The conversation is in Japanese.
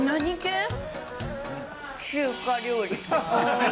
中華料理。